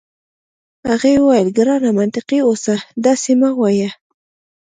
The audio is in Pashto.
هغې وویل: ګرانه منطقي اوسه، داسي مه وایه.